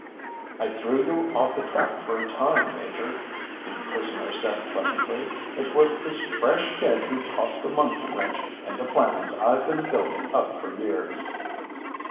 "I threw you off the track for a time, Major," the prisoner said pleasantly. "It was this fresh kid who tossed a monkey wrench into plans I've been building up for years."